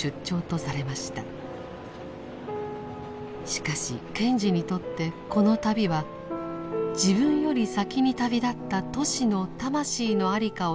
しかし賢治にとってこの旅は自分より先に旅立ったトシの魂の在りかを探す意味が込められていました。